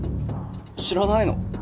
知らないの？